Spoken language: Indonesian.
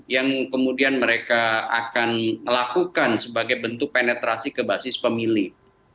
yang kemudian mereka akan lakukan sebagai bentuk penetrasi ke basis pemilih